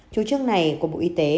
chủ trương này của bộ y tế